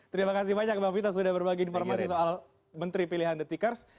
terima kasih banyak bang fitro sudah berbagi informasi soal menteri pilihan detikers